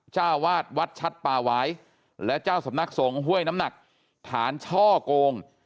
เจ้าวาดวัดชัดป่าวายและเจ้าสำนักสงฆ์ห้วยน้ำหนักฐานช่อโกง